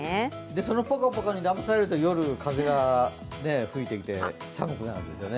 そのポカポカにだまされると夜風が吹いてきて寒くなるんですよね。